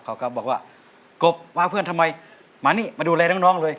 คุณกบว่าเพื่อนทำไมมานี่มาดูแลน้องเลย